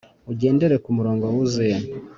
ugendere kumurongo wuzuye.